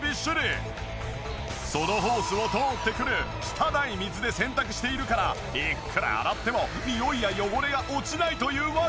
そのホースを通ってくる汚い水で洗濯しているからいくら洗ってもニオイや汚れが落ちないというわけ。